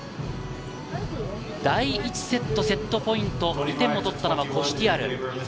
第１セット、セットポイント２点を取ったのはコシュティアル。